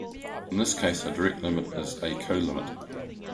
In this case a direct limit is a colimit.